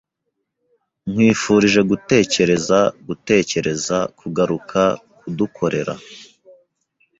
Nkwifurije gutekereza gutekereza kugaruka kudukorera.